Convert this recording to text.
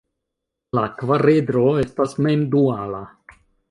La kvaredro estas mem duala.